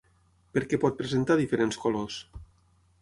Per què pot presentar diferents colors?